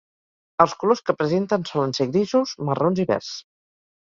Els colors que presenten solen ser grisos, marrons i verds.